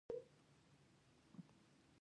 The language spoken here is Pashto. د امريکا پر تر ټولو شتمن او پياوړي تشکيل بدل شو.